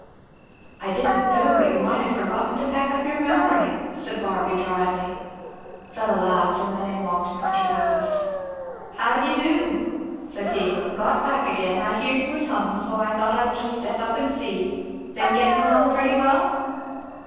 "I didn't know but you might have forgotten to pack up your memory," said Barby dryly. Fleda laughed; and then in walked Mr. Douglass. "How d'ye do?" said he. "Got back again. I heerd you was hum, and so I thought I'd just step up and see. Been getting along pretty well?"